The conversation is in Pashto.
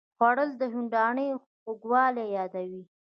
خوړل د هندوانې خوږوالی یادوي